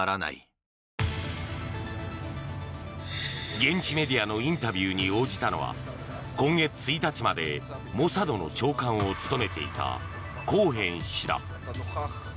現地メディアのインタビューに応じたのは今月１日までモサドの長官を務めていたコーヘン氏だ。